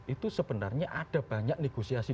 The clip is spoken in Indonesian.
itu sebenarnya ada banyak negosiasi